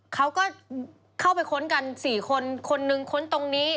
เขาก็เข้าไปค้นกัน๔คนคนนึงค้นตรงนี้